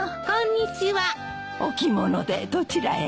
お着物でどちらへ？